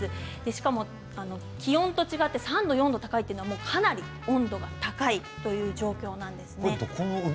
しかも、気温と違って３度、４度高いというのはかなり温度が高いという状況なんですね。